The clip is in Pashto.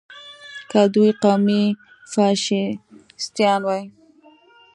که دوی قومي فشیستان وای.